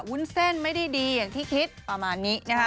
วุ้นเส้นไม่ได้ดีอย่างที่คิดประมาณนี้นะคะ